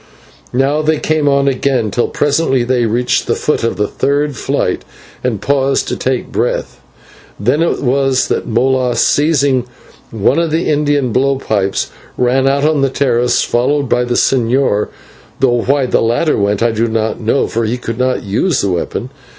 Now they came on again, till presently they reached the foot of the third flight, and paused to take breath. Then it was that Molas, seizing one of the Indian blow pipes, ran out on to the terrace, followed by the señor, though why the latter went I do not know, for he could not use this weapon.